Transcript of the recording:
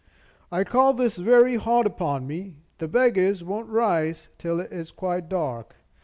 "I call this very hard upon me. The beggars won't rise till it is quite dark.